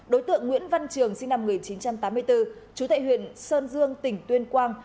đối tượng nguyễn văn trường sinh năm một nghìn chín trăm tám mươi bốn chú tại huyện sơn dương tỉnh tuyên quang